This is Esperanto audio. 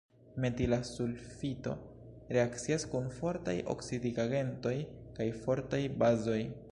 Metila sulfito reakcias kun fortaj oksidigagentoj kaj fortaj bazoj.